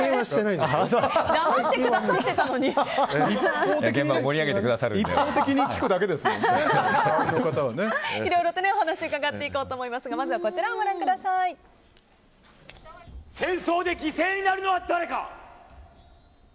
いろいろとお話を伺っていこうと思いますが戦争で犠牲になるのは誰か？